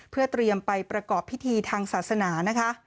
เพื่อเตรียมไปประกอบพิธีทางศาสนานะคะ